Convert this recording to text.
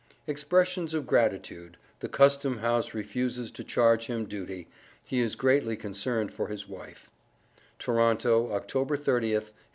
Expressions of gratitude The Custom House refuses to charge him duty He is greatly concerned for his wife TORONTO, October 30th, 1853.